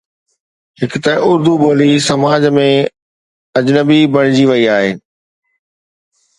هڪ ته اردو ٻولي سماج ۾ اجنبي بڻجي وئي آهي.